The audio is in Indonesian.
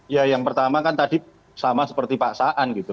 ya yang pertama kan tadi sama seperti pak saan gitu